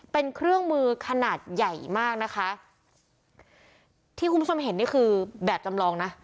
เป็นเครื่องมือขนาดใหญ่มากนะคะที่คุณผู้ชมเห็นนี่คือแบบจำลองนะ